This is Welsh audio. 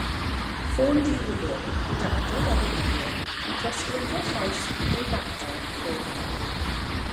Ffôn diwifr, cludadwy a ddefnyddir i drosglwyddo llais neu ddata i ffôn arall.